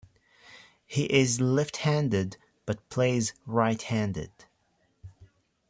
He is left-handed, but plays right-handed.